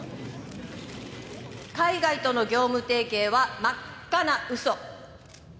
海外との業務提携は真っ赤な嘘